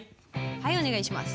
はいお願いします。